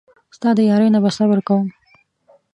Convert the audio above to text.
ستا د یارۍ نه به صبر کوم.